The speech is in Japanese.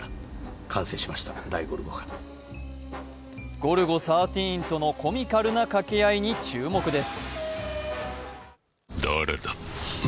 「ゴルゴ１３」とのコミカルな掛け合いに注目です。